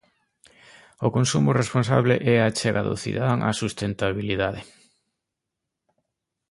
O consumo responsable é a achega do cidadán á sustentabilidade.